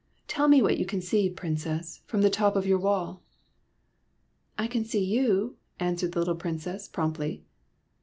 Tell me what you can see. Princess, from the top of your wall." " I can see you," answered the little Princess, promptly.